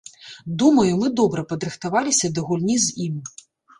Думаю, мы добра падрыхтаваліся да гульні з ім.